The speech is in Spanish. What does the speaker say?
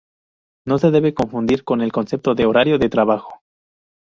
No se debe confundir con el concepto de horario de trabajo.